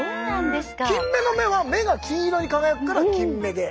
キンメの目は目が金色に輝くから「キンメ」で。